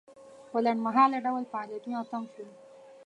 په لنډمهاله ډول فعالیتونه تم شول.